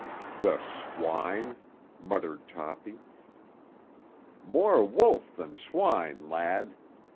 "The swine!" muttered Toppy. "More wolf than swine, lad.